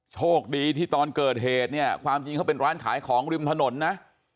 โชคดีที่ตอนเกิดเหตุเนี่ยความจริงเขาเป็นร้านขายของริมถนนนะ